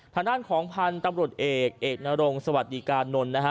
ฐานานของพันธุ์ตำรวจเอกเอกนารงสวัสดีการณ์นนท์